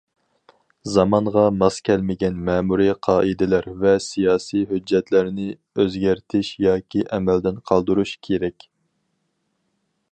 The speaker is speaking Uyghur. زامانغا ماس كەلمىگەن مەمۇرىي قائىدىلەر ۋە سىياسىي ھۆججەتلەرنى ئۆزگەرتىش ياكى ئەمەلدىن قالدۇرۇش كېرەك.